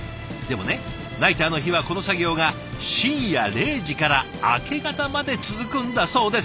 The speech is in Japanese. でもねナイターの日はこの作業が深夜０時から明け方まで続くんだそうです。